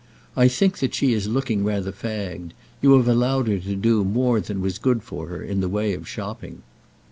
I think that she is looking rather fagged. You have allowed her to do more than was good for her in the way of shopping."